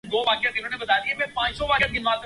کھانے پینے والی اشیا پرخاص توجہ دی جائے